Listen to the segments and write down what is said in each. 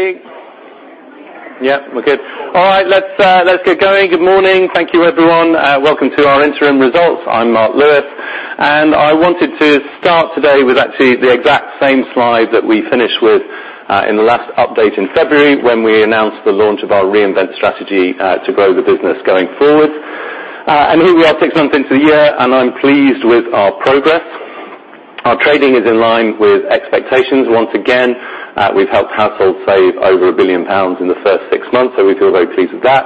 Okay, are we all ready? Yeah, we're good. All right, let's get going. Good morning. Thank you, everyone. Welcome to our interim results. I'm Mark Lewis, I wanted to start today with actually the exact same slide that we finished with in the last update in February, when we announced the launch of our reinvent strategy to grow the business going forward. Here we are six months into the year, I'm pleased with our progress. Our trading is in line with expectations. Once again, we've helped households save over 1 billion pounds in the first six months, so we feel very pleased with that.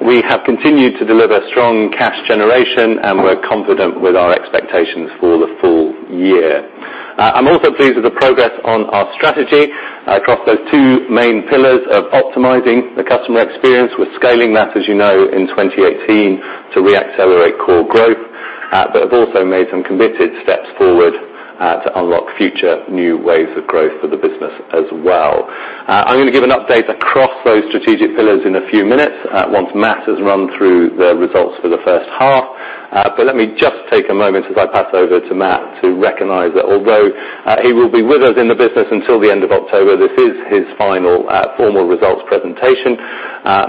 We have continued to deliver strong cash generation, we're confident with our expectations for the full year. I'm also pleased with the progress on our strategy across those two main pillars of optimizing the customer experience. We're scaling that, as you know, in 2018 to re-accelerate core growth. Have also made some committed steps forward to unlock future new waves of growth for the business as well. I'm going to give an update across those strategic pillars in a few minutes, once Matt has run through the results for the first half. Let me just take a moment as I pass over to Matt to recognize that although he will be with us in the business until the end of October, this is his final formal results presentation.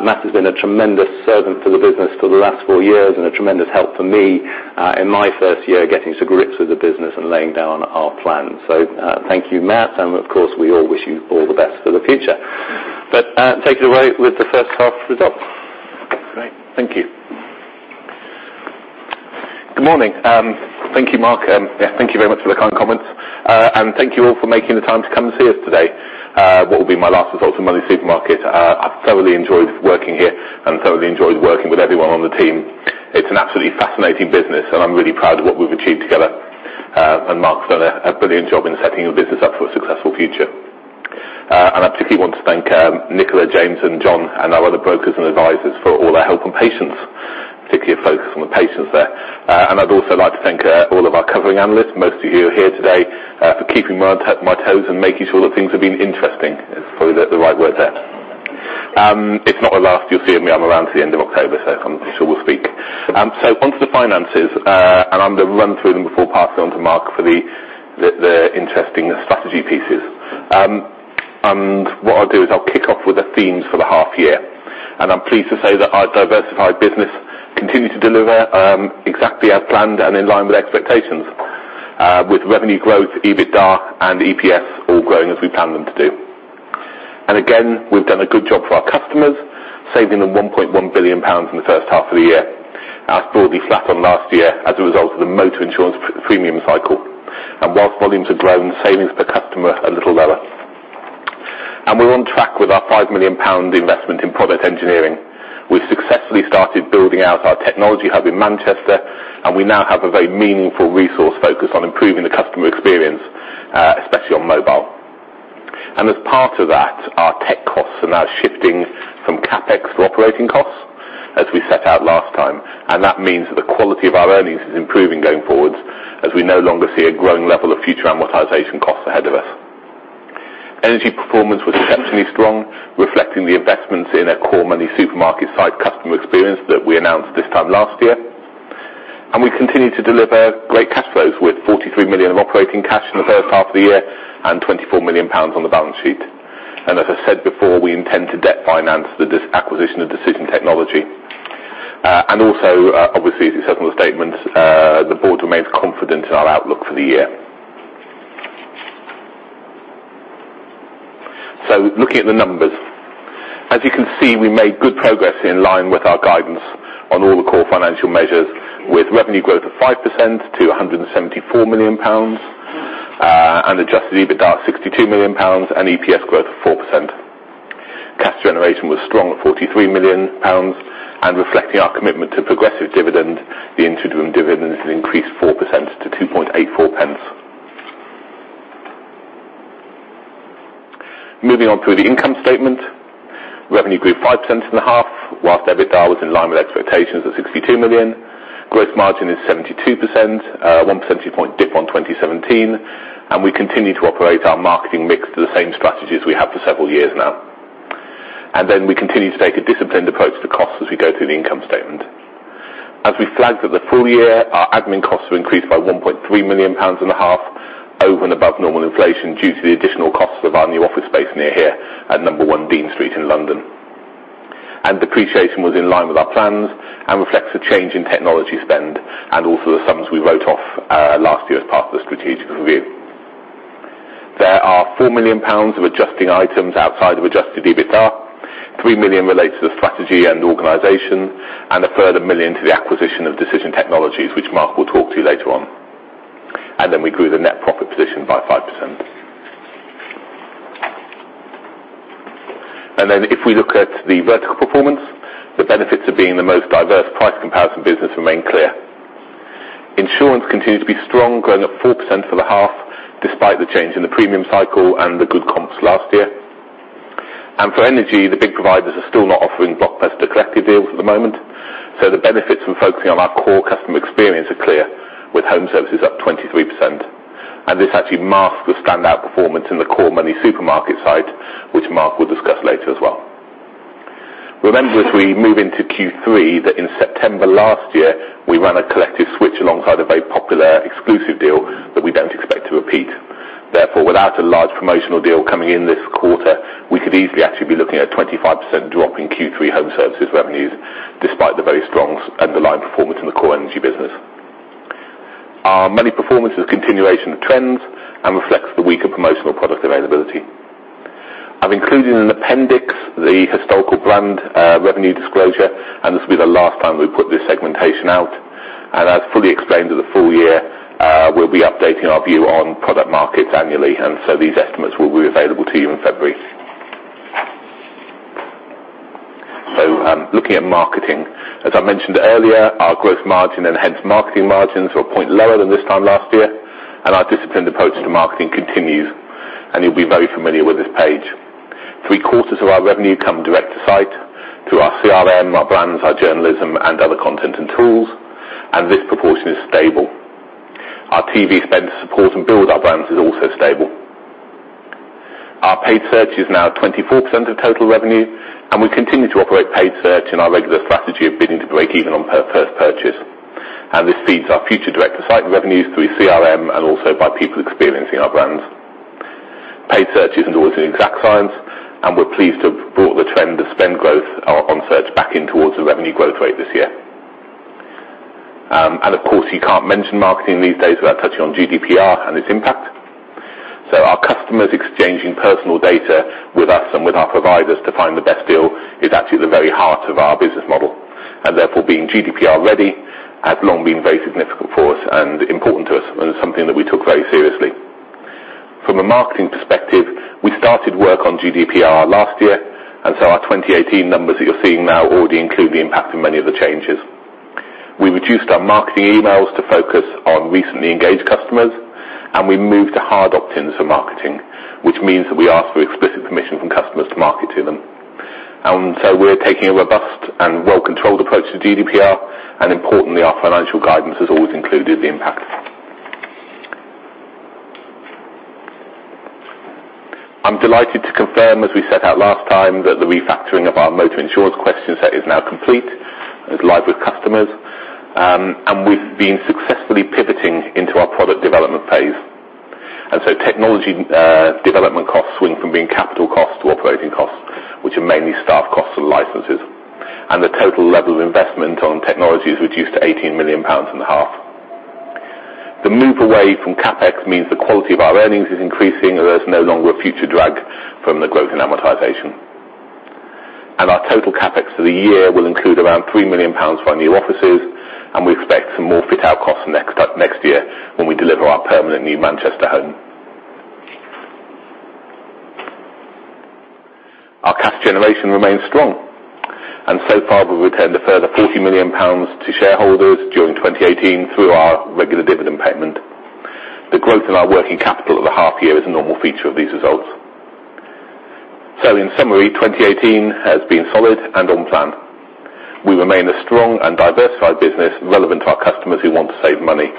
Matt has been a tremendous servant to the business for the last four years and a tremendous help for me in my first year getting to grips with the business and laying down our plan. Thank you, Matt, and of course, we all wish you all the best for the future. Take it away with the first half results. Great. Thank you. Good morning. Thank you, Mark. Thank you very much for the kind comments. Thank you all for making the time to come and see us today, what will be my last results for MoneySuperMarket. I've thoroughly enjoyed working here and thoroughly enjoyed working with everyone on the team. It's an absolutely fascinating business, I'm really proud of what we've achieved together. Mark's done a brilliant job in setting the business up for a successful future. I particularly want to thank Nicola, James, and John, and our other brokers and advisors for all their help and patience, particularly focused on the patience there. I'd also like to thank all of our covering analysts, most of you who are here today, for keeping me on my toes and making sure that things have been interesting, is probably the right word there. It's not the last you'll see of me. I'm around till the end of October, so come to me shall we speak. Onto the finances, I'm going to run through them before passing on to Mark for the interesting strategy pieces. What I'll do is I'll kick off with the themes for the half year. I'm pleased to say that our diversified business continued to deliver exactly as planned and in line with expectations. With revenue growth, EBITDA, and EPS all growing as we planned them to do. Again, we've done a good job for our customers, saving them 1.1 billion pounds in the first half of the year. That's broadly flat on last year as a result of the motor insurance premium cycle. Whilst volumes have grown, savings per customer are a little lower. We're on track with our 5 million pound investment in product engineering. We've successfully started building out our technology hub in Manchester, and we now have a very meaningful resource focus on improving the customer experience, especially on mobile. As part of that, our tech costs are now shifting from CapEx to operating costs, as we set out last time. That means that the quality of our earnings is improving going forward, as we no longer see a growing level of future amortization costs ahead of us. Energy performance was exceptionally strong, reflecting the investments in our core MoneySuperMarket site customer experience that we announced this time last year. We continued to deliver great cash flows, with 43 million of operating cash in the first half of the year and 24 million pounds on the balance sheet. As I said before, we intend to debt finance the acquisition of Decision Technologies. Also, obviously, as it says on the statement, the board remains confident in our outlook for the year. Looking at the numbers. You can see, we made good progress in line with our guidance on all the core financial measures, with revenue growth of 5% to 174 million pounds, adjusted EBITDA 62 million pounds, and EPS growth of 4%. Cash generation was strong at 43 million pounds, and reflecting our commitment to progressive dividend, the interim dividend has increased 4% to 0.0284. Moving on through the income statement. Revenue grew 5% in the half, whilst EBITDA was in line with expectations at 62 million. Gross margin is 72%, a one percentage point dip on 2017, we continue to operate our marketing mix to the same strategies we have for several years now. We continue to take a disciplined approach to costs as we go through the income statement. We flagged at the full year, our admin costs were increased by 1.3 million pounds in the half, over and above normal inflation due to the additional costs of our new office space near here at Number One Dean Street in London. Depreciation was in line with our plans and reflects the change in technology spend and also the sums we wrote off last year as part of the strategic review. There are 4 million pounds of adjusting items outside of adjusted EBITDA, 3 million relates to the strategy and organization, and a further 1 million to the acquisition of Decision Technologies, which Mark will talk to later on. We grew the net profit position by 5%. If we look at the vertical performance, the benefits of being the most diverse price comparison business remain clear. Insurance continued to be strong, growing at 4% for the half, despite the change in the premium cycle and the good comps last year. For energy, the big providers are still not offering blockbuster collective deals at the moment. The benefits from focusing on our core customer experience are clear, with home services up 23%. This actually masks the standout performance in the core MoneySuperMarket side, which Mark will discuss later as well. Remember, as we move into Q3, that in September last year, we ran a collective switch alongside a very popular exclusive deal that we don't expect to repeat. Without a large promotional deal coming in this quarter, we could easily actually be looking at a 25% drop in Q3 home services revenues, despite the very strong underlying performance in the core energy business. Our money performance is a continuation of trends and reflects the weaker promotional product availability. I've included in the appendix the historical brand revenue disclosure, this will be the last time we put this segmentation out. As fully explained at the full year, we'll be updating our view on product markets annually, these estimates will be available to you in February. Looking at marketing. As I mentioned earlier, our growth margin and hence marketing margins are a point lower than this time last year, our disciplined approach to marketing continues. You'll be very familiar with this page. Three-quarters of our revenue come direct to site through our CRM, our brands, our journalism, and other content and tools. This proportion is stable. Our TV spend to support and build our brands is also stable. Our paid search is now 24% of total revenue. We continue to operate paid search in our regular strategy of bidding to break even on first purchase. This feeds our future direct-to-site revenues through CRM and also by people experiencing our brands. Paid search isn't always an exact science. We're pleased to have brought the trend of spend growth on search back in towards the revenue growth rate this year. Of course, you can't mention marketing these days without touching on GDPR and its impact. Our customers exchanging personal data with us and with our providers to find the best deal is actually at the very heart of our business model. Therefore, being GDPR ready has long been very significant for us and important to us and is something that we took very seriously. From a marketing perspective, we started work on GDPR last year. Our 2018 numbers that you're seeing now already include the impact of many of the changes. We reduced our marketing emails to focus on recently engaged customers. We moved to hard opt-ins for marketing, which means that we ask for explicit permission from customers to market to them. We're taking a robust and well-controlled approach to GDPR. Importantly, our financial guidance has always included the impact. I'm delighted to confirm, as we set out last time, that the refactoring of our motor insurance question set is now complete and is live with customers. We've been successfully pivoting into our product development phase. Technology development costs swing from being capital costs to operating costs, which are mainly staff costs and licenses. The total level of investment on technology is reduced to 18 million pounds in the half. The move away from CapEx means the quality of our earnings is increasing, as there's no longer a future drag from the growth in amortization. Our total CapEx for the year will include around 3 million pounds for our new offices, and we expect some more fit-out costs next year when we deliver our permanent new Manchester home. Our cash generation remains strong, so far, we've returned a further 40 million pounds to shareholders during 2018 through our regular dividend payment. The growth in our working capital at the half year is a normal feature of these results. In summary, 2018 has been solid and on plan. We remain a strong and diversified business relevant to our customers who want to save money.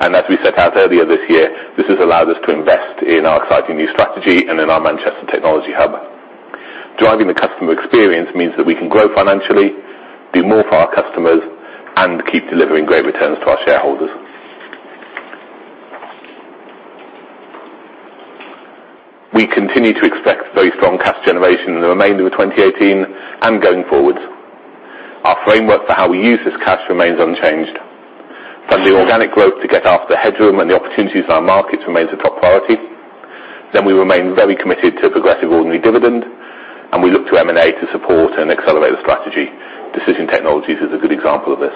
As we set out earlier this year, this has allowed us to invest in our exciting new strategy and in our Manchester technology hub. Driving the customer experience means that we can grow financially, do more for our customers, and keep delivering great returns to our shareholders. We continue to expect very strong cash generation in the remainder of 2018 and going forward. Our framework for how we use this cash remains unchanged. Fund the organic growth to get after the headroom and the opportunities in our markets remains a top priority. We remain very committed to a progressive ordinary dividend, and we look to M&A to support and accelerate the strategy. Decision Technologies is a good example of this.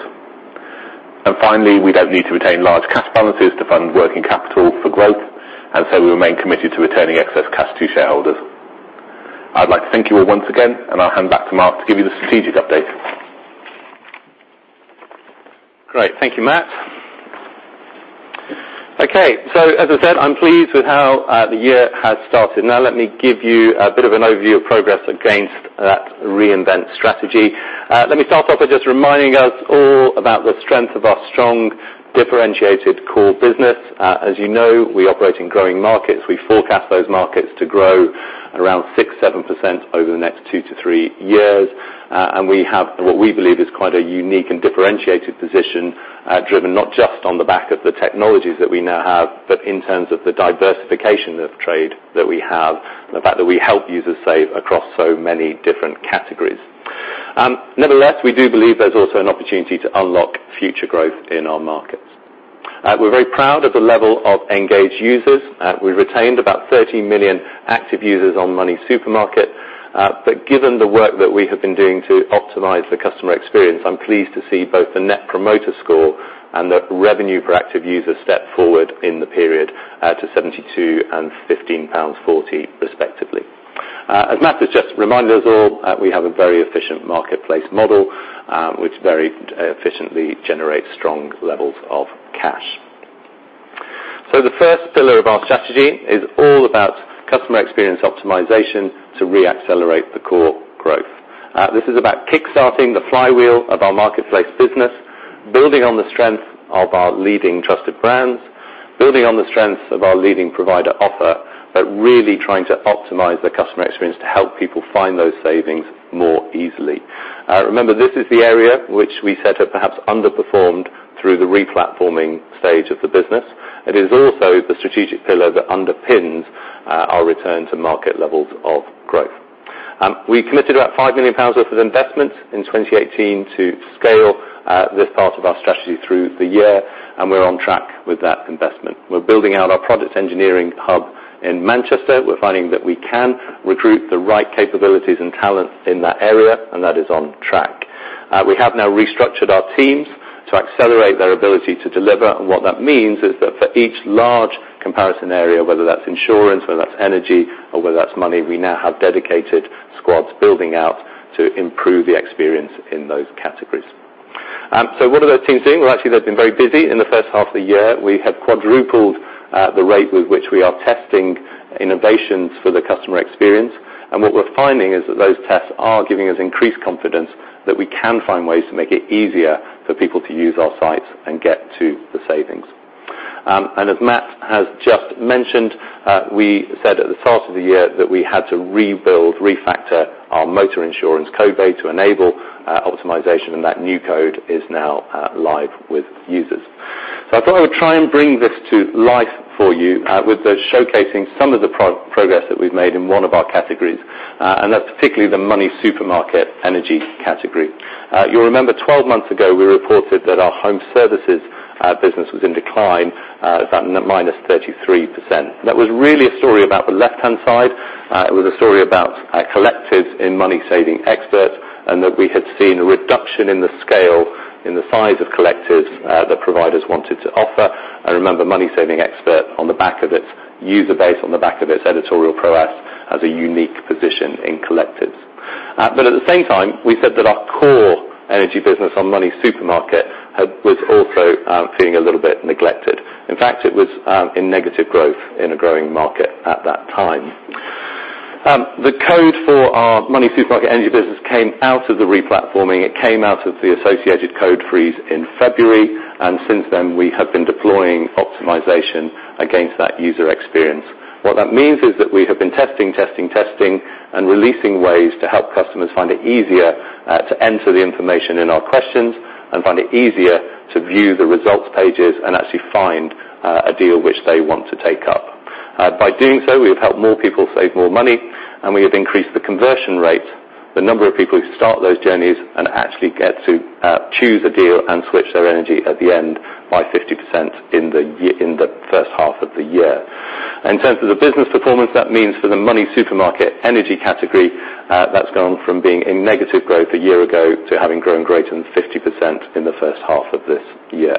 Finally, we don't need to retain large cash balances to fund working capital for growth, we remain committed to returning excess cash to shareholders. I'd like to thank you all once again, and I'll hand back to Mark to give you the strategic update. Great. Thank you, Matt. As I said, I'm pleased with how the year has started. Now let me give you a bit of an overview of progress against that reinvent strategy. Let me start off by just reminding us all about the strength of our strong, differentiated core business. As you know, we operate in growing markets. We forecast those markets to grow around six, 7% over the next two to three years. We have what we believe is quite a unique and differentiated position, driven not just on the back of the technologies that we now have, but in terms of the diversification of trade that we have, and the fact that we help users save across so many different categories. Nevertheless, we do believe there's also an opportunity to unlock future growth in our markets. We're very proud of the level of engaged users. We retained about 30 million active users on MoneySuperMarket. Given the work that we have been doing to optimize the customer experience, I am pleased to see both the Net Promoter Score and the revenue per active user step forward in the period to 72 and 15.40 pounds, respectively. As Matt has just reminded us all, we have a very efficient marketplace model, which very efficiently generates strong levels of cash. The first pillar of our strategy is all about customer experience optimization to re-accelerate the core growth. This is about kickstarting the flywheel of our marketplace business, building on the strength of our leading trusted brands. Building on the strengths of our leading provider offer, really trying to optimize the customer experience to help people find those savings more easily. Remember, this is the area which we said had perhaps underperformed through the re-platforming stage of the business. It is also the strategic pillar that underpins our return to market levels of growth. We committed about 5 million pounds worth of investment in 2018 to scale this part of our strategy through the year, and we are on track with that investment. We are building out our product engineering hub in Manchester. We are finding that we can recruit the right capabilities and talent in that area, and that is on track. We have now restructured our teams to accelerate their ability to deliver. What that means is that for each large comparison area, whether that is insurance, whether that is energy, or whether that is money, we now have dedicated squads building out to improve the experience in those categories. What are those teams doing? Actually, they have been very busy in the first half of the year. We have quadrupled the rate with which we are testing innovations for the customer experience. What we are finding is that those tests are giving us increased confidence that we can find ways to make it easier for people to use our sites and get to the savings. As Matt has just mentioned, we said at the start of the year that we had to rebuild, refactor our motor insurance code base to enable optimization, and that new code is now live with users. I thought I would try and bring this to life for you with showcasing some of the progress that we have made in one of our categories, and that is particularly the MoneySuperMarket energy category. You will remember 12 months ago, we reported that our home services business was in decline. In fact, -33%. That was really a story about the left-hand side. It was a story about collectives in MoneySavingExpert, and that we had seen a reduction in the scale, in the size of collectives that providers wanted to offer. Remember, MoneySavingExpert, on the back of its user base, on the back of its editorial prowess, has a unique position in collectives. At the same time, we said that our core energy business on MoneySuperMarket was also feeling a little bit neglected. In fact, it was in negative growth in a growing market at that time. The code for our MoneySuperMarket energy business came out of the re-platforming. It came out of the associated code freeze in February, and since then, we have been deploying optimization against that user experience. What that means is that we have been testing, testing, and releasing ways to help customers find it easier to enter the information in our questions and find it easier to view the results pages and actually find a deal which they want to take up. By doing so, we have helped more people save more money, and we have increased the conversion rate, the number of people who start those journeys and actually get to choose a deal and switch their energy at the end by 50% in the first half of the year. In terms of the business performance, that means for the MoneySuperMarket energy category, that's gone from being in negative growth a year ago to having grown greater than 50% in the first half of this year.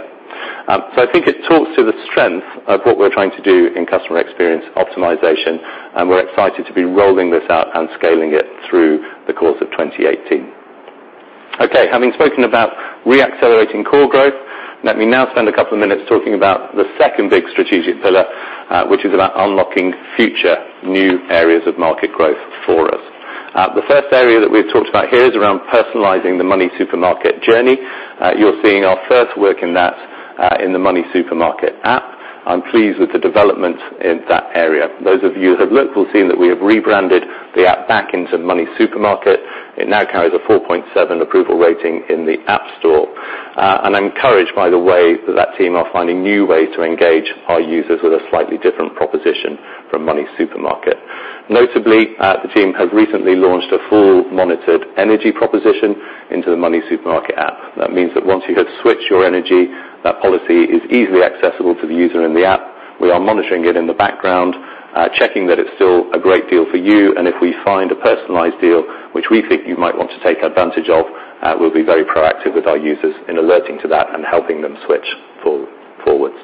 I think it talks to the strength of what we're trying to do in customer experience optimization, and we're excited to be rolling this out and scaling it through the course of 2018. Okay, having spoken about re-accelerating core growth, let me now spend a couple of minutes talking about the second big strategic pillar, which is about unlocking future new areas of market growth for us. The first area that we've talked about here is around personalizing the MoneySuperMarket journey. You're seeing our first work in that in the MoneySuperMarket app. I'm pleased with the development in that area. Those of you who have looked will have seen that we have rebranded the app back into MoneySuperMarket. It now carries a 4.7 approval rating in the App Store. I'm encouraged, by the way, that that team are finding new ways to engage our users with a slightly different proposition from MoneySuperMarket. Notably, the team has recently launched a full monitored energy proposition into the MoneySuperMarket app. That means that once you have switched your energy, that policy is easily accessible to the user in the app. We are monitoring it in the background, checking that it's still a great deal for you, and if we find a personalized deal which we think you might want to take advantage of, we'll be very proactive with our users in alerting to that and helping them switch forwards.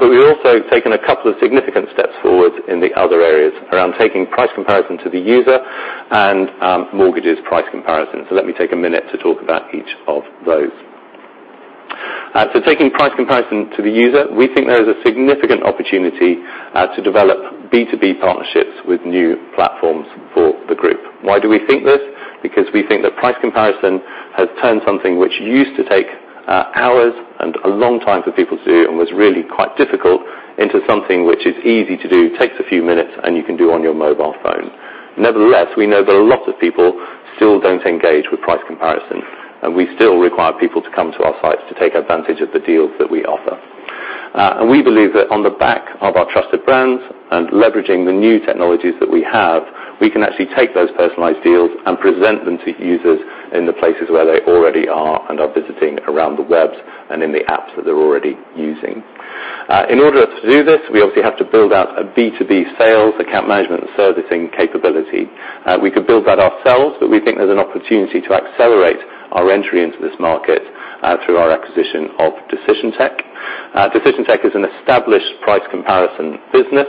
We've also taken a couple of significant steps forward in the other areas around taking price comparison to the user and mortgages price comparison. Let me take a minute to talk about each of those. Taking price comparison to the user, we think there is a significant opportunity to develop B2B partnerships with new platforms for the group. Why do we think this? Because we think that price comparison has turned something which used to take hours and a long time for people to do and was really quite difficult into something which is easy to do, takes a few minutes, and you can do on your mobile phone. Nevertheless, we know that a lot of people still don't engage with price comparison, and we still require people to come to our sites to take advantage of the deals that we offer. We believe that on the back of our trusted brands and leveraging the new technologies that we have, we can actually take those personalized deals and present them to users in the places where they already are and are visiting around the web and in the apps that they're already using. In order to do this, we obviously have to build out a B2B sales, account management, and servicing capability. We could build that ourselves, but we think there's an opportunity to accelerate our entry into this market through our acquisition of Decision Tech. Decision Tech is an established price comparison business.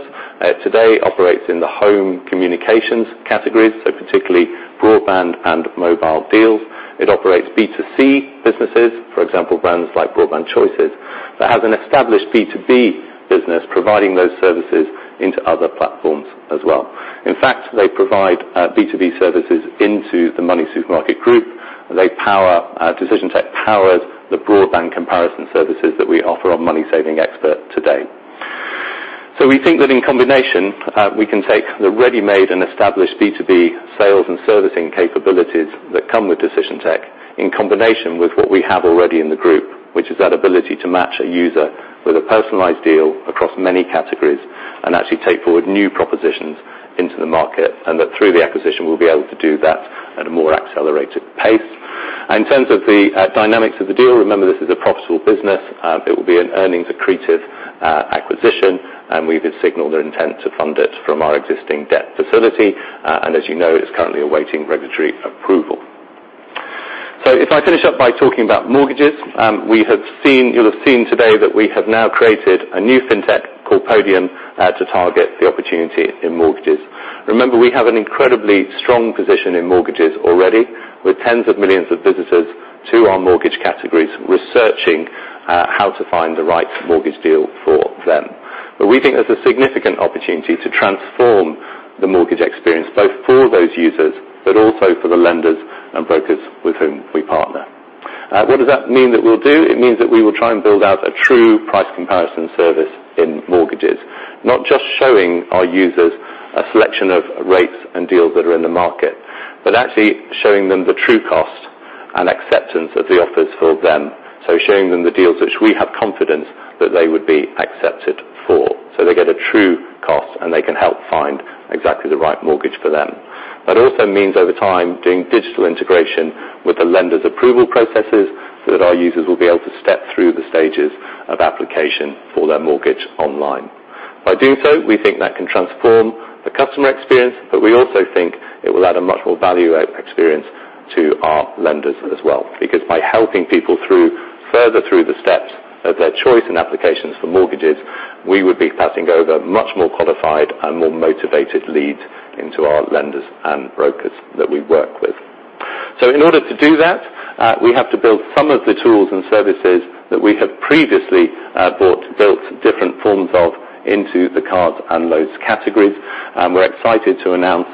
Today, operates in the home communications categories, so particularly broadband and mobile deals. It operates B2C businesses, for example, brands like Broadband Choices, but has an established B2B business providing those services into other platforms as well. In fact, they provide B2B services into the MoneySuperMarket Group. They power our Decision Tech, powers the broadband comparison services that we offer on MoneySavingExpert today. We think that in combination, we can take the ready-made and established B2B sales and servicing capabilities that come with Decision Tech, in combination with what we have already in the group, which is that ability to match a user with a personalized deal across many categories and actually take forward new propositions into the market, and that through the acquisition, we'll be able to do that at a more accelerated pace. In terms of the dynamics of the deal, remember, this is a profitable business. It will be an earnings accretive acquisition, and we've signaled our intent to fund it from our existing debt facility. As you know, it's currently awaiting regulatory approval. If I finish up by talking about mortgages, you'll have seen today that we have now created a new fintech called Podium to target the opportunity in mortgages. Remember, we have an incredibly strong position in mortgages already, with tens of millions of visitors to our mortgage categories, researching how to find the right mortgage deal for them. We think there's a significant opportunity to transform the mortgage experience, both for those users, but also for the lenders and brokers with whom we partner. What does that mean that we'll do? It means that we will try and build out a true price comparison service in mortgages. Not just showing our users a selection of rates and deals that are in the market, but actually showing them the true cost and acceptance of the offers for them. Showing them the deals which we have confidence that they would be accepted for. They get a true cost, and they can help find exactly the right mortgage for them. That also means over time, doing digital integration with the lenders' approval processes, so that our users will be able to step through the stages of application for their mortgage online. By doing so, we think that can transform the customer experience, but we also think it will add a much more value experience to our lenders as well. Because by helping people further through the steps of their choice in applications for mortgages, we would be passing over much more qualified and more motivated leads into our lenders and brokers that we work with. In order to do that, we have to build some of the tools and services that we have previously built different forms of into the cards and loans categories. We're excited to announce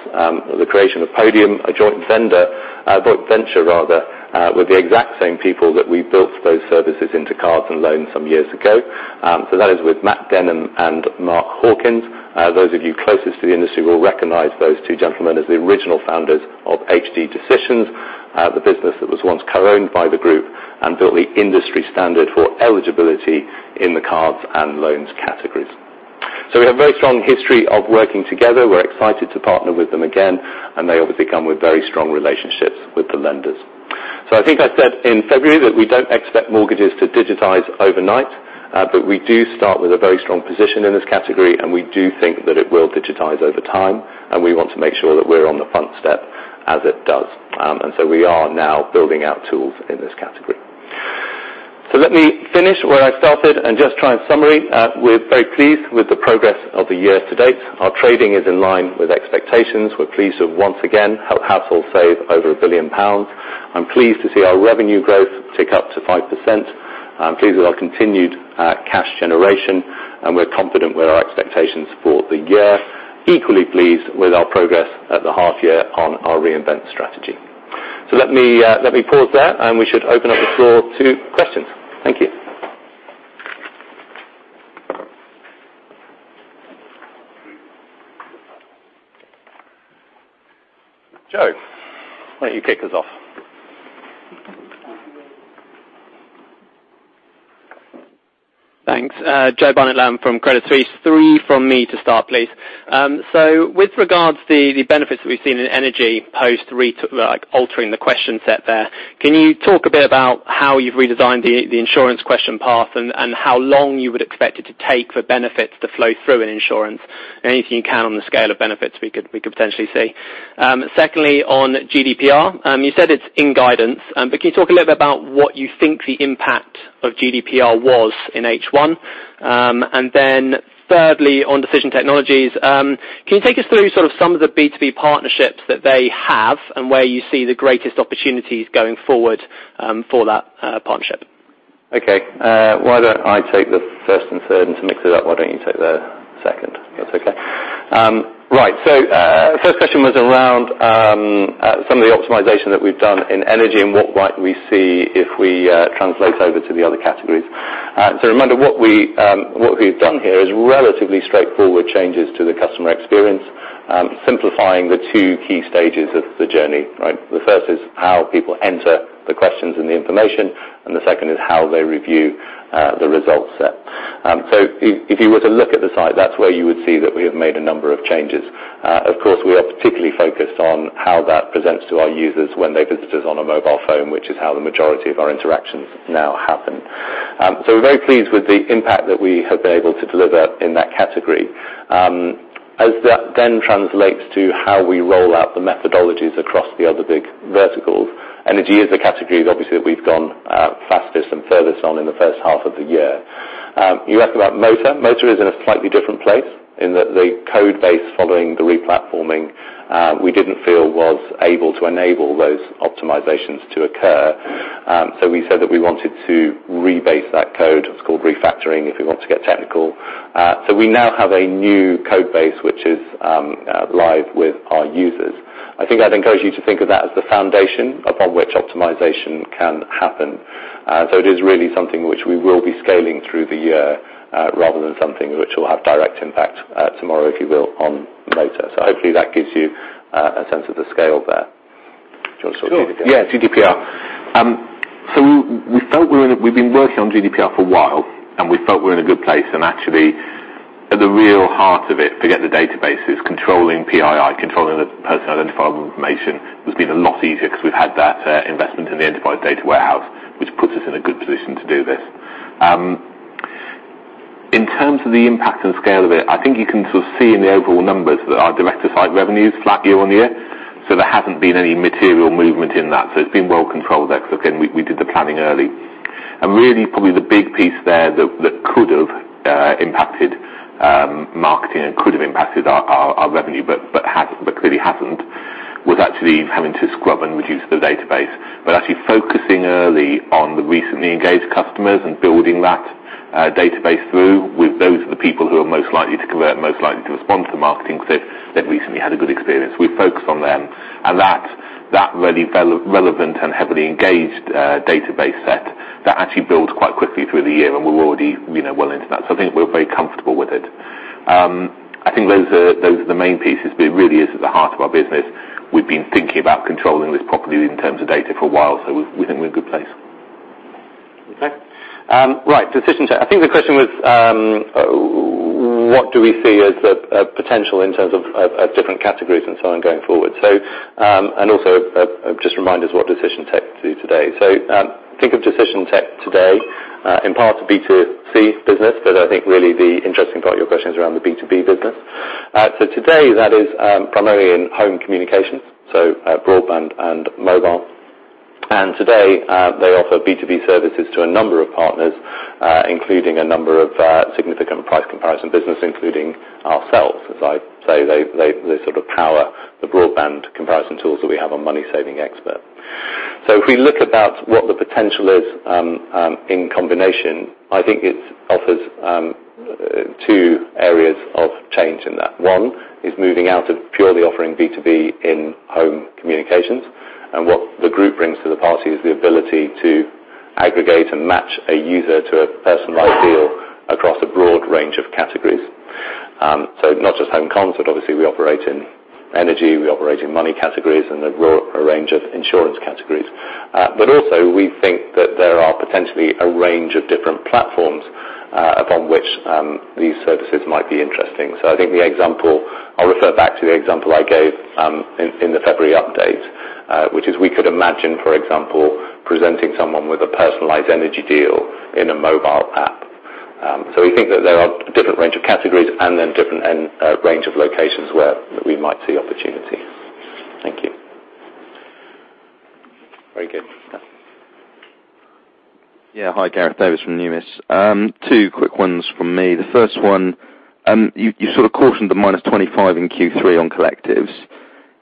the creation of Podium, a joint venture, rather, with the exact same people that we built those services into cards and loans some years ago. That is with Matt Denham and Mark Hawkins. Those of you closest to the industry will recognize those two gentlemen as the original founders of HD Decisions, the business that was once co-owned by the group and built the industry standard for eligibility in the cards and loans categories. We have a very strong history of working together. We're excited to partner with them again, they obviously come with very strong relationships with the lenders. I think I said in February that we don't expect mortgages to digitize overnight, we do start with a very strong position in this category, we do think that it will digitize over time, we want to make sure that we're on the front step as it does. We are now building out tools in this category. Let me finish where I started and just try and summary. We're very pleased with the progress of the year to date. Our trading is in line with expectations. We're pleased to once again help households save over 1 billion pounds. I'm pleased to see our revenue growth tick up to 5%. I'm pleased with our continued cash generation, and we're confident with our expectations for the year. Equally pleased with our progress at the half year on our reinvent strategy. Let me pause there, we should open up the floor to questions. Thank you. Joe, why don't you kick us off? Thanks. Joseph Barnet-Lamb from Credit Suisse. Three from me to start, please. With regards to the benefits that we've seen in energy post altering the question set there, can you talk a bit about how you've redesigned the insurance question path and how long you would expect it to take for benefits to flow through in insurance? Anything you can on the scale of benefits we could potentially see. Secondly, on GDPR. You said it's in guidance, can you talk a little bit about what you think the impact of GDPR was in H1? Thirdly, on Decision Technologies, can you take us through sort of some of the B2B partnerships that they have and where you see the greatest opportunities going forward for that partnership? Okay. Why don't I take the first and third, and to mix it up, why don't you take the second? If that's okay. Right. First question was around some of the optimization that we've done in energy and what might we see if we translate over to the other categories. Remember, what we've done here is relatively straightforward changes to the customer experience, simplifying the 2 key stages of the journey. The first is how people enter the questions and the information, and the second is how they review the results set. If you were to look at the site, that's where you would see that we have made a number of changes. Of course, we are particularly focused on how that presents to our users when they visit us on a mobile phone, which is how the majority of our interactions now happen. We're very pleased with the impact that we have been able to deliver in that category. As that translates to how we roll out the methodologies across the other big verticals. Energy is a category, obviously, that we've gone fastest and furthest on in the first half of the year. You asked about motor. Motor is in a slightly different place in that the code base following the replatforming we didn't feel was able to enable those optimizations to occur. We said that we wanted to rebase that code. It's called refactoring, if we want to get technical. We now have a new code base, which is live with our users. I think I'd encourage you to think of that as the foundation upon which optimization can happen. It is really something which we will be scaling through the year rather than something which will have direct impact tomorrow, if you will, on motor. Hopefully that gives you a sense of the scale there. Do you want to talk GDPR? Sure, yeah, GDPR. We've been working on GDPR for a while, and we felt we were in a good place, and actually, at the real heart of it, forget the databases, controlling PII, controlling the personally identifiable information, has been a lot easier because we've had that investment in the enterprise data warehouse, which puts us in a good position to do this. In terms of the impact and scale of it, I think you can sort of see in the overall numbers that our direct-to-site revenue's flat year-on-year. There hasn't been any material movement in that. It's been well controlled there because, again, we did the planning early. Really, probably the big piece there that could have impacted marketing and could have impacted our revenue but clearly hasn't, was actually having to scrub and reduce the database. Actually focusing early on the recently engaged customers and building that database through with those are the people who are most likely to convert, most likely to respond to the marketing because they've recently had a good experience. We focus on them, and that really relevant and heavily engaged database set that actually built quite quickly through the year and we're already well into that. I think we're very comfortable with it. I think those are the main pieces, it really is at the heart of our business. We've been thinking about controlling this properly in terms of data for a while, we think we're in a good place. Okay. Right. Decision Tech. I think the question was, what do we see as the potential in terms of different categories and so on going forward? Also just remind us what Decision Tech do today. Think of Decision Tech today in part a B2C business, I think really the interesting part of your question is around the B2B business. Today that is primarily in home communications, so broadband and mobile. Today, they offer B2B services to a number of partners including a number of significant price comparison business, including ourselves. As I say, they sort of power the broadband comparison tools that we have on MoneySavingExpert.com. If we look about what the potential is in combination, I think it offers two areas of change in that. One is moving out of purely offering B2B in home communications. What the group brings to the party is the ability to aggregate and match a user to a personalized deal across a broad range of categories. Not just home comms, obviously we operate in energy, we operate in money categories, and a range of insurance categories. Also, we think that there are potentially a range of different platforms upon which these services might be interesting. I think the example, I'll refer back to the example I gave in the February update which is we could imagine, for example, presenting someone with a personalized energy deal in a mobile app. We think that there are different range of categories and then different range of locations where we might see opportunity. Thank you. Very good. Yeah. Hi, Gareth Davis from Numis. Two quick ones from me. The first one, you sort of cautioned the -25% in Q3 on collectives.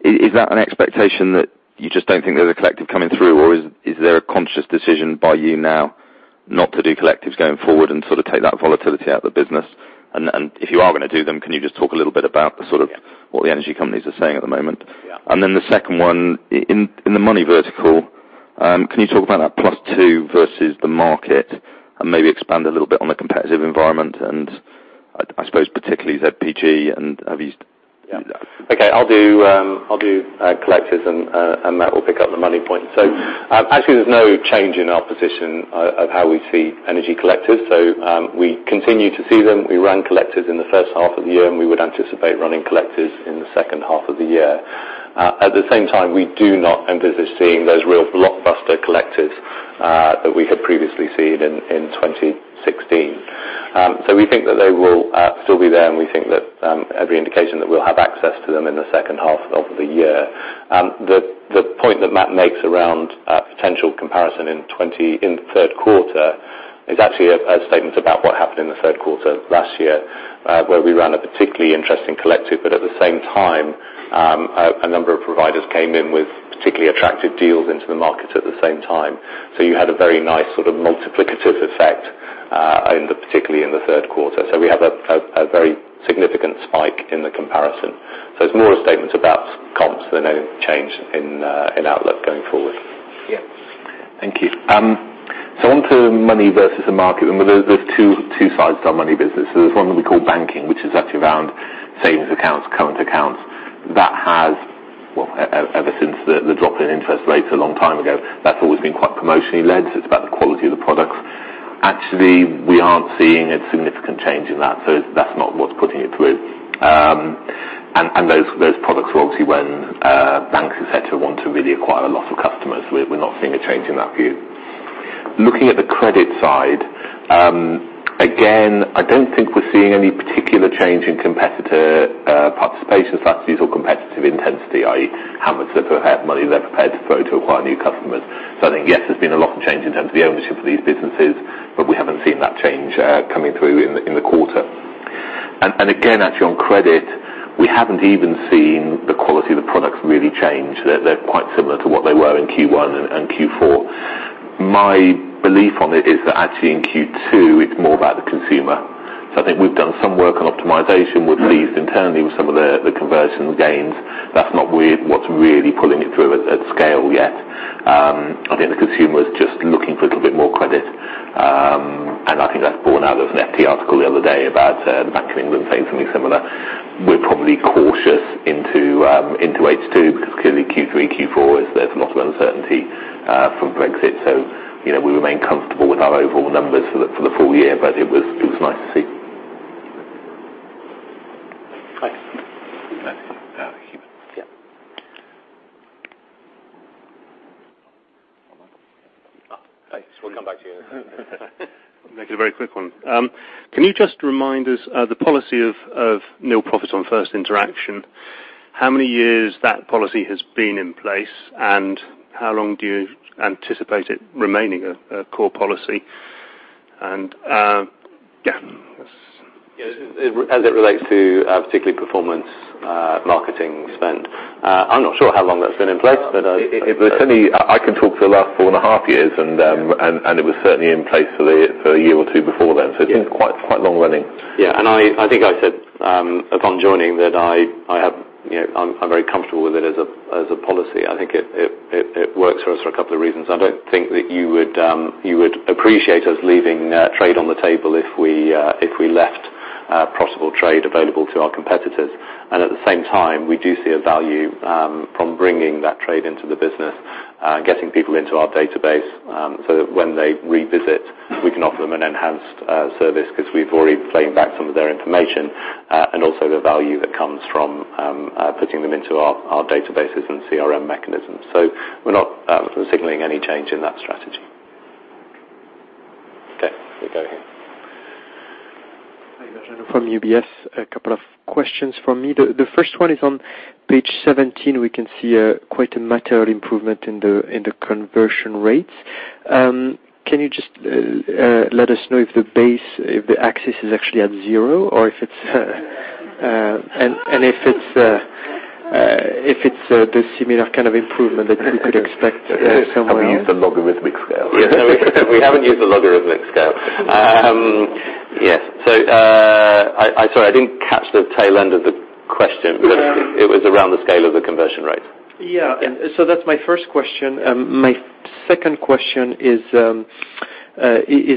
Is that an expectation that you just don't think there's a collective coming through, or is there a conscious decision by you now not to do collectives going forward and sort of take that volatility out of the business? If you are going to do them, can you just talk a little bit about what the energy companies are saying at the moment? Yeah. The second one, in the money vertical, can you talk about that +2% versus the market and maybe expand a little bit on the competitive environment and I suppose particularly is that [PG] and have you- Okay. I'll do collectives and Matt will pick up the money point. Actually there's no change in our position of how we see energy collectives. We continue to see them. We ran collectives in the first half of the year, we would anticipate running collectives in the second half of the year. At the same time, we do not envisage seeing those real blockbuster collectives that we had previously seen in 2016. We think that they will still be there, we think that every indication that we'll have access to them in the second half of the year. The point that Matt makes around potential comparison in third quarter is actually a statement about what happened in the third quarter last year, where we ran a particularly interesting collective, at the same time, a number of providers came in with particularly attractive deals into the market at the same time. You had a very nice sort of multiplicative effect particularly in the third quarter. We have a very significant spike in the comparison. It's more a statement about comps than any change in outlook going forward. Yeah. Thank you. Onto money versus the market, and there's two sides to our money business. There's one that we call banking, which is actually around savings accounts, current accounts. That has, well, ever since the drop in interest rates a long time ago, that's always been quite promotionally led, so it's about the quality of the products. Actually, we aren't seeing a significant change in that, so that's not what's putting it through. Those products are obviously when banks, etc., want to really acquire a lot of customers. We're not seeing a change in that view. Looking at the credit side, again, I don't think we're seeing any particular change in competitor participation strategies or competitive intensity, i.e., how much money they're prepared to throw to acquire new customers. I think, yes, there's been a lot of change in terms of the ownership of these businesses. Haven't seen that change coming through in the quarter. Again, actually on credit, we haven't even seen the quality of the products really change. They're quite similar to what they were in Q1 and Q4. My belief on it is that actually in Q2 it's more about the consumer. I think we've done some work on optimization with lease internally with some of the conversion gains. That's not what's really pulling it through at scale yet. I think the consumer is just looking for a little bit more credit. I think that's born out of an FT article the other day about Bank of England saying something similar. We're probably cautious into H2 because clearly Q3, Q4, there's a lot of uncertainty from Brexit. We remain comfortable with our overall numbers for the full year, but it was nice to see. Thanks. Yeah. Hold on. Oh, hey. We'll come back to you. Make it a very quick one. Can you just remind us the policy of nil profits on first interaction? How many years that policy has been in place, how long do you anticipate it remaining a core policy? As it relates to particularly performance marketing spend, I'm not sure how long that's been in place. I can talk for the last four and a half years, and it was certainly in place for a year or two before then. Yeah. It's quite long running. Yeah. I think I said, upon joining that I'm very comfortable with it as a policy. I think it works for us for a couple of reasons. I don't think that you would appreciate us leaving trade on the table if we left profitable trade available to our competitors. Also the value from bringing that trade into the business, getting people into our database, so that when they revisit, we can offer them an enhanced service because we've already claimed back some of their information. And also the value that comes from putting them into our databases and CRM mechanisms. We're not signaling any change in that strategy. Okay, we go here. Hi, Borja from UBS. A couple of questions from me. The first one is on page 17. We can see quite a material improvement in the conversion rates. Can you just let us know if the base, if the axis is actually at zero? And if it's the similar kind of improvement that we could expect somewhere else. Have we used a logarithmic scale? We haven't used a logarithmic scale. Yes. Sorry, I didn't catch the tail end of the question. Yeah. It was around the scale of the conversion rate. Yeah. Yeah. That's my first question. My second question is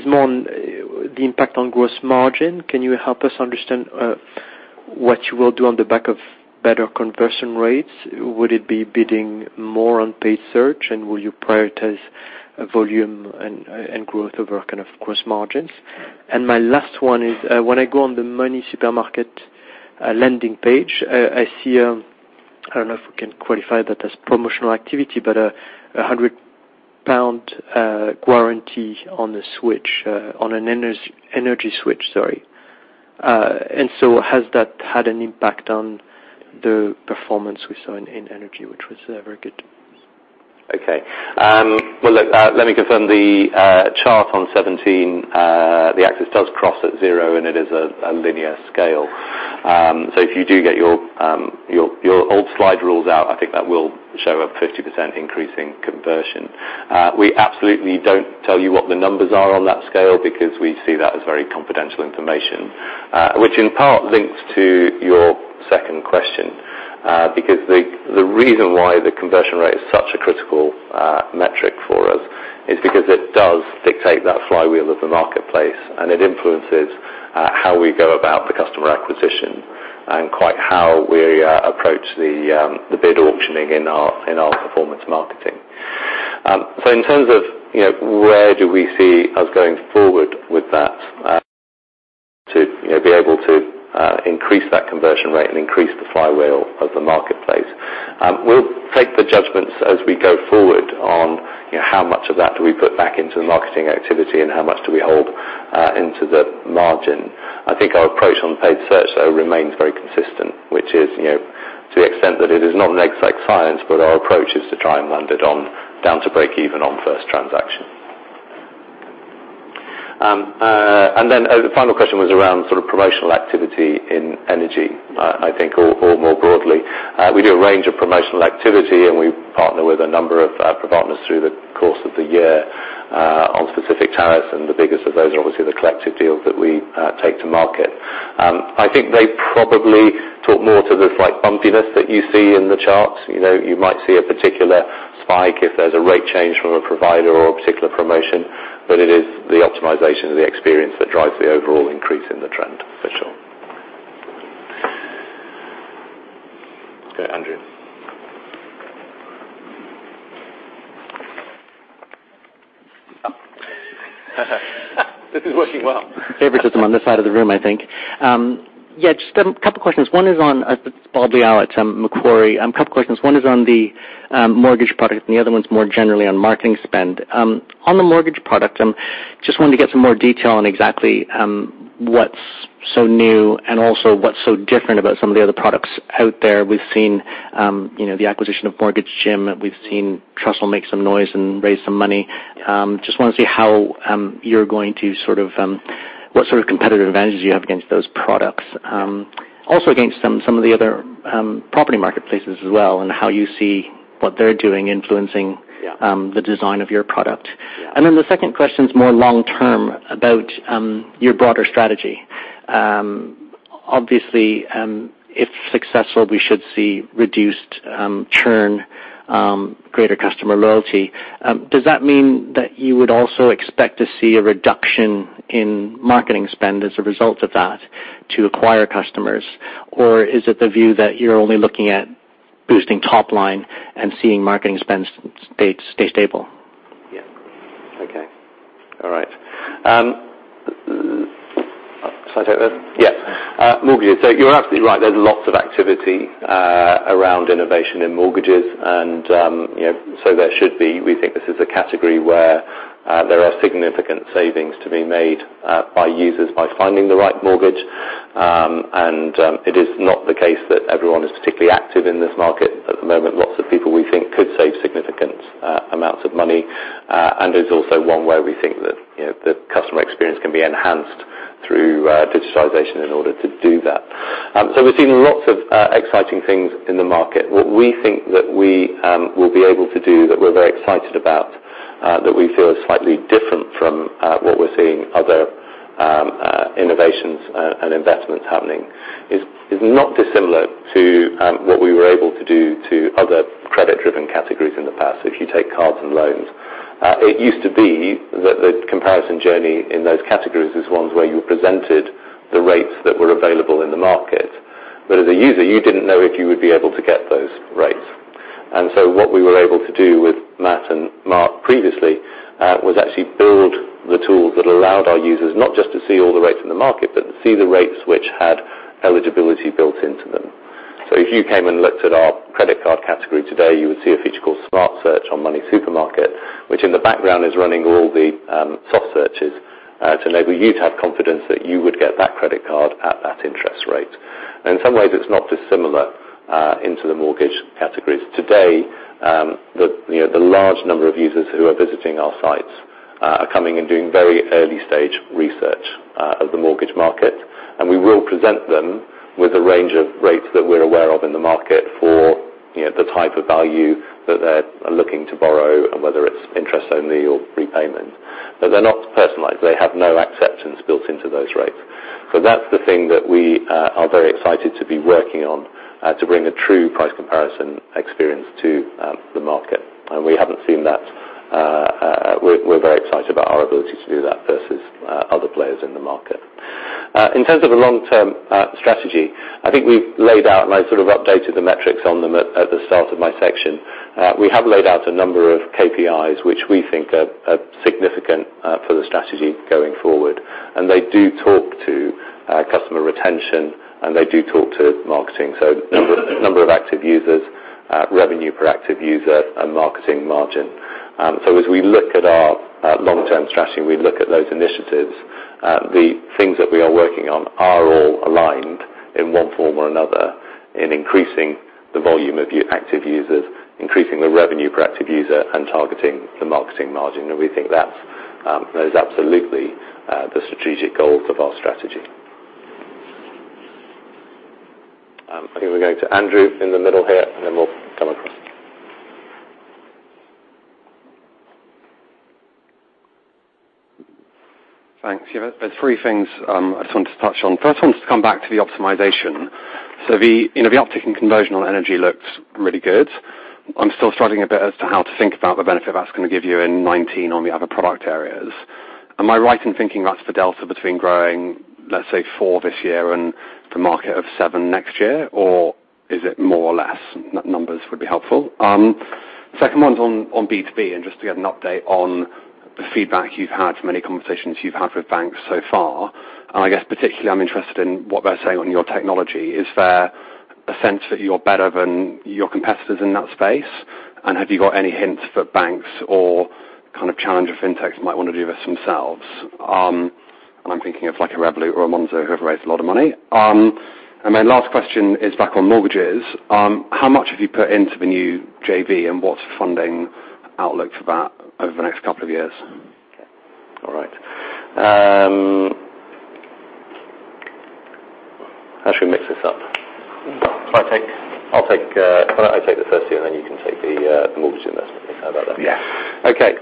more on the impact on gross margin. Can you help us understand what you will do on the back of better conversion rates? Would it be bidding more on paid search, and will you prioritize volume and growth over kind of gross margins? My last one is, when I go on the MoneySuperMarket landing page, I see a, I don't know if we can qualify that as promotional activity, but 100 pound guarantee on the switch, on an energy switch, sorry. Has that had an impact on the performance we saw in energy, which was very good? Okay. Well, look, let me confirm the chart on 17. The axis does cross at zero, and it is a linear scale. If you do get your old slide rules out, I think that will show a 50% increase in conversion. We absolutely don't tell you what the numbers are on that scale because we see that as very confidential information, which in part links to your second question. The reason why the conversion rate is such a critical metric for us is because it does dictate that flywheel of the marketplace, and it influences how we go about the customer acquisition and quite how we approach the bid auctioning in our performance marketing. In terms of where do we see us going forward with that to be able to increase that conversion rate and increase the flywheel of the marketplace. We'll take the judgments as we go forward on how much of that do we put back into the marketing activity and how much do we hold into the margin. I think our approach on paid search, though, remains very consistent, which is to the extent that it is not an exact science, but our approach is to try and land it down to break even on first transaction. The final question was around sort of promotional activity in energy. We do a range of promotional activity, and we partner with a number of partners through the course of the year on specific tariffs, and the biggest of those are obviously the collective deals that we take to market. I think they probably talk more to the slight bumpiness that you see in the charts. You might see a particular spike if there's a rate change from a provider or a particular promotion, but it is the optimization of the experience that drives the overall increase in the trend for sure. Okay, Andrew. This is working well. Favor system on this side of the room, I think. Just a couple questions. One is on. It's [Baldial] at Macquarie. A couple questions. One is on the mortgage product, and the other one's more generally on marketing spend. On the mortgage product, just wanted to get some more detail on exactly what's so new and also what's so different about some of the other products out there. We've seen the acquisition of Mortgage Gym, we've seen Trussle make some noise and raise some money. Just want to see what sort of competitive advantages you have against those products. Also against some of the other property marketplaces as well, and how you see what they're doing influencing- Yeah the design of your product. Yeah. The second question is more long-term about your broader strategy. Obviously, if successful, we should see reduced churn, greater customer loyalty. Does that mean that you would also expect to see a reduction in marketing spend as a result of that to acquire customers? Is it the view that you're only looking at boosting top line and seeing marketing spend stay stable? Yeah. Okay. All right. Should I take that? Yes. Mortgages. You're absolutely right. There's lots of activity around innovation in mortgages and so there should be. We think this is a category where there are significant savings to be made by users by finding the right mortgage, and it is not the case that everyone is particularly active in this market at the moment. Lots of people we think could save significant amounts of money. It is also one where we think that the customer experience can be enhanced through digitization in order to do that. We're seeing lots of exciting things in the market. What we think that we will be able to do that we're very excited about, that we feel is slightly different from what we're seeing other innovations and investments happening is not dissimilar to what we were able to do to other credit-driven categories in the past. If you take cards and loans, it used to be that the comparison journey in those categories is ones where you presented the rates that were available in the market. As a user, you didn't know if you would be able to get those rates. What we were able to do with Matt and Mark previously, was actually build the tools that allowed our users not just to see all the rates in the market, but to see the rates which had eligibility built into them. If you came and looked at our credit card category today, you would see a feature called Smart Search on MoneySuperMarket, which in the background is running all the soft searches to enable you to have confidence that you would get that credit card at that interest rate. In some ways, it's not dissimilar into the mortgage categories. Today, the large number of users who are visiting our sites are coming and doing very early-stage research of the mortgage market. We will present them with a range of rates that we're aware of in the market for the type of value that they're looking to borrow, and whether it's interest only or prepayment. They're not personalized. They have no acceptance built into those rates. That's the thing that we are very excited to be working on to bring a true price comparison experience to the market. We haven't seen that. We're very excited about our ability to do that versus other players in the market. In terms of the long-term strategy, I think we've laid out, and I sort of updated the metrics on them at the start of my section. We have laid out a number of KPIs which we think are significant for the strategy going forward. They do talk to customer retention, and they do talk to marketing. Number of active users, revenue per active user, and marketing margin. As we look at our long-term strategy, and we look at those initiatives, the things that we are working on are all aligned in one form or another in increasing the volume of active users, increasing the revenue per active user, and targeting the marketing margin. We think those are absolutely the strategic goals of our strategy. I think we're going to Andrew in the middle here, and then we'll come across. Thanks. There's three things I just wanted to touch on. First, I wanted to come back to the optimization. The uptick in conversional energy looks really good. I'm still struggling a bit as to how to think about the benefit that's going to give you in 2019 on the other product areas. Am I right in thinking that's the delta between growing, let's say, four this year and the market of seven next year? Or is it more or less? Numbers would be helpful. Second one's on B2B just to get an update on the feedback you've had from any conversations you've had with banks so far. I guess particularly I'm interested in what they're saying on your technology. Is there a sense that you're better than your competitors in that space? Have you got any hints for banks or kind of challenger fintechs who might want to do this themselves? I'm thinking of like a Revolut or a Monzo who have raised a lot of money. My last question is back on mortgages. How much have you put into the new JV, and what's the funding outlook for that over the next couple of years? Okay. All right. I should mix this up. Well, I'll take. Why don't I take the first two, and then you can take the mortgage investment if you're happy with that. Yeah.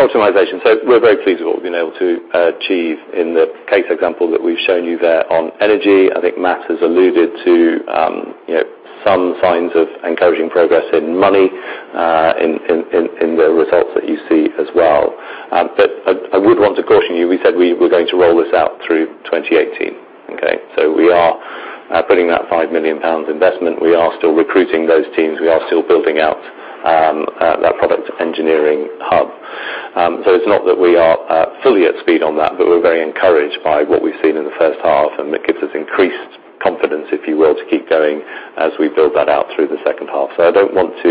Optimization. We're very pleased with what we've been able to achieve in the case example that we've shown you there on energy. I think Matt has alluded to some signs of encouraging progress in money in the results that you see as well. I would want to caution you, we said we were going to roll this out through 2018, okay? We are putting that 5 million pounds investment. We are still recruiting those teams. We are still building out our product engineering hub. It's not that we are fully at speed on that, but we're very encouraged by what we've seen in the first half, and it gives us increased confidence, if you will, to keep going as we build that out through the second half. I don't want to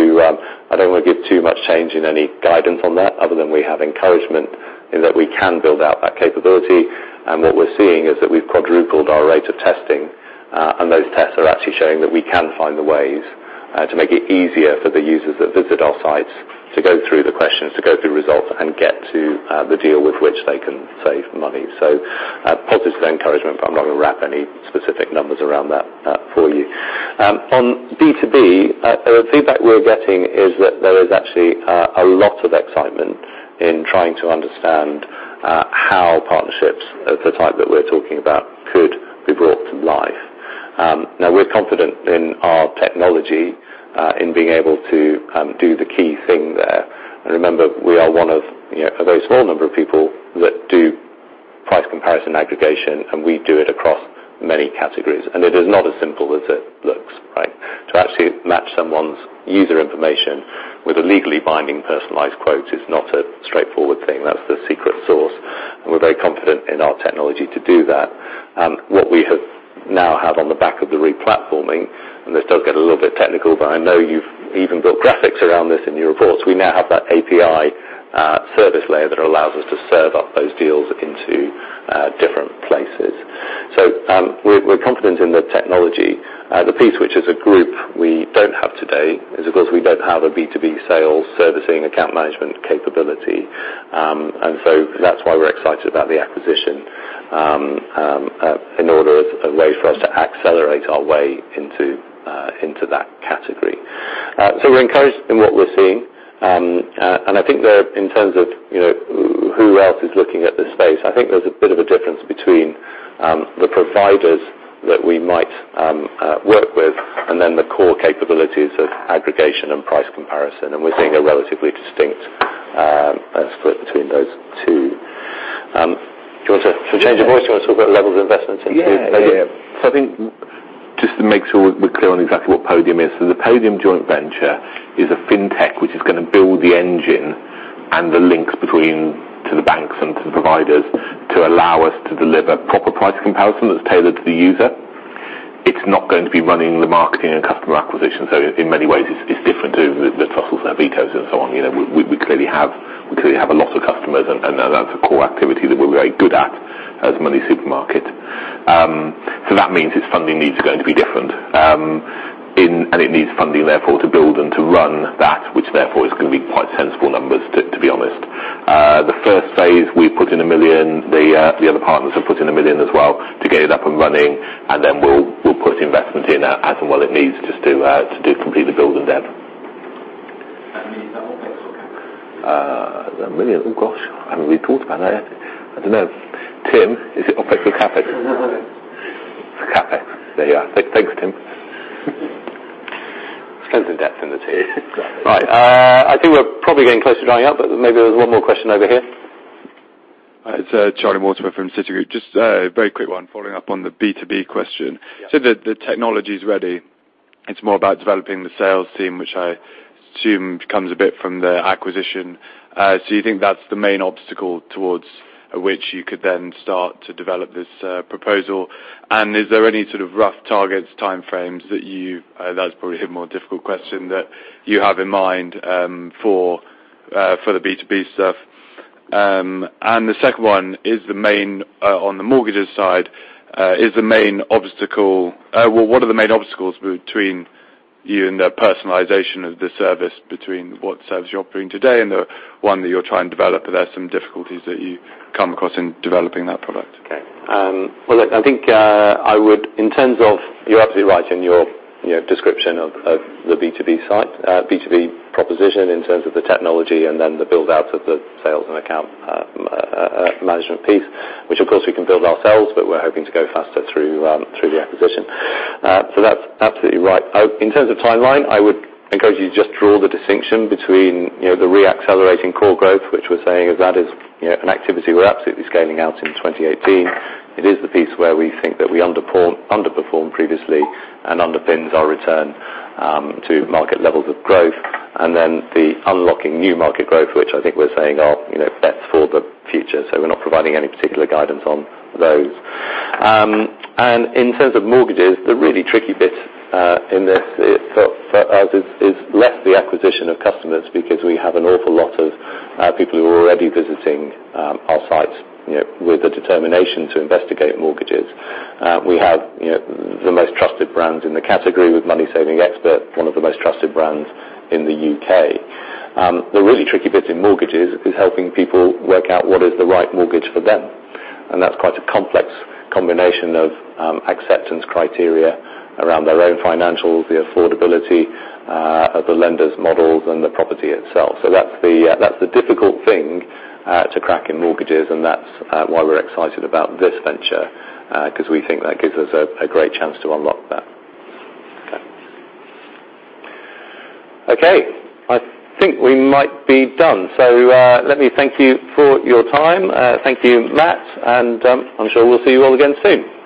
give too much change in any guidance on that other than we have encouragement in that we can build out that capability. What we're seeing is that we've quadrupled our rate of testing. Those tests are actually showing that we can find the ways to make it easier for the users that visit our sites to go through the questions, to go through results, and get to the deal with which they can save money. Positive encouragement, but I'm not going to wrap any specific numbers around that for you. On B2B, the feedback we're getting is that there is actually a lot of excitement in trying to understand how partnerships of the type that we're talking about could be brought to life. We're confident in our technology in being able to do the key thing there. Remember, we are one of a very small number of people that do price comparison aggregation, and we do it across many categories. It is not as simple as it looks, right? To actually match someone's user information with a legally binding personalized quote is not a straightforward thing. That's the secret sauce, and we're very confident in our technology to do that. What we now have on the back of the replatforming, and this does get a little bit technical, but I know you've even built graphics around this in your reports. We now have that API service layer that allows us to serve up those deals into different places. We're confident in the technology. The piece which as a group we don't have today is, of course, we don't have a B2B sales servicing account management capability. That's why we're excited about the acquisition, in order as a way for us to accelerate our way into that category. We're encouraged in what we're seeing. I think that in terms of who else is looking at this space, I think there's a bit of a difference between the providers that we might work with, and then the core capabilities of aggregation and price comparison. We're seeing a relatively distinct split between those two. Do you want to change the voice? Do you want to talk about levels of investment in Podium? I think just to make sure we're clear on exactly what Podium is. The Podium joint venture is a fintech which is going to build the engine and the links between to the banks and to the providers to allow us to deliver proper price comparison that's tailored to the user. It's not going to be running the marketing and customer acquisition. In many ways, it's different to the Trussle and Habito and so on. We clearly have a lot of customers, and that's a core activity that we're very good at as MoneySuperMarket. That means its funding needs are going to be different. It needs funding, therefore, to build and to run that, which therefore is going to be quite sensible numbers, to be honest. The first phase, we put in 1 million, the other partners have put in 1 million as well to get it up and running, and then we'll put investment in as and while it needs just to do complete the build and dev. That means about. A million? Oh, gosh, I haven't really thought about that yet. I don't know. Tim, is it? No. It's a cafe. There you are. Thanks, Tim. There's plenty of depth in the team. Exactly. Right. I think we're probably getting close to drying up, but maybe there was one more question over here. It's Charlie Mortimer from Citigroup. Just a very quick one following up on the B2B question. Yeah. The technology's ready. It's more about developing the sales team, which I assume comes a bit from the acquisition. You think that's the main obstacle towards which you could then start to develop this proposal? Is there any sort of rough targets, time frames that you, that's probably a more difficult question, that you have in mind for the B2B stuff? The second one, on the mortgages side, what are the main obstacles between you and the personalization of the service between what service you're offering today and the one that you're trying to develop? Are there some difficulties that you come across in developing that product? Well, look, I think you're absolutely right in your description of the B2B proposition in terms of the technology and then the build-out of the sales and account management piece, which, of course, we can build ourselves, but we're hoping to go faster through the acquisition. That's absolutely right. In terms of timeline, I would encourage you to just draw the distinction between the re-accelerating core growth, which we're saying is that is an activity we're absolutely scaling out in 2018. It is the piece where we think that we underperformed previously and underpins our return to market levels of growth. Then the unlocking new market growth, which I think we're saying are bets for the future. We're not providing any particular guidance on those. In terms of mortgages, the really tricky bit in this for us is less the acquisition of customers because we have an awful lot of people who are already visiting our sites with a determination to investigate mortgages. We have the most trusted brand in the category with Money Saving Expert, one of the most trusted brands in the U.K. The really tricky bit in mortgages is helping people work out what is the right mortgage for them. That's quite a complex combination of acceptance criteria around their own financials, the affordability of the lender's models, and the property itself. That's the difficult thing to crack in mortgages, and that's why we're excited about this venture, because we think that gives us a great chance to unlock that. I think we might be done. Let me thank you for your time. Thank you, Matt, and I'm sure we'll see you all again soon.